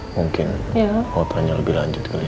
mungkin mau tanya lebih lanjut ke dia